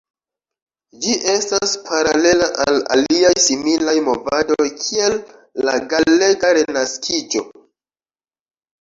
Ĝi estas paralela al aliaj similaj movadoj, kiel la galega Renaskiĝo.